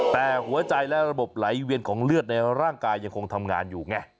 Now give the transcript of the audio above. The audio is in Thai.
แต่หัวใจและระบบไหลเวียนของเลือดในร่างกายยังคงทำงานอยู่ไง